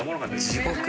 地獄。